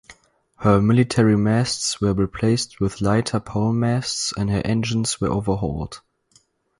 Her military masts were replaced with lighter pole masts and her engines were overhauled.